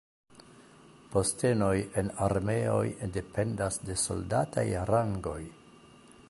Postenoj en armeoj dependas de soldataj rangoj.